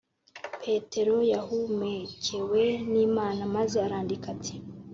Petero yahumekewe n’Imana, maze arandika ati